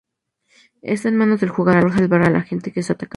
Está en manos del jugador salvar a la gente que es atacada.